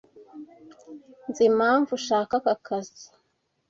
Nzi impamvu ushaka aka kazi.